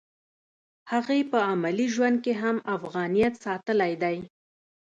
هغې په عملي ژوند کې هم افغانیت ساتلی دی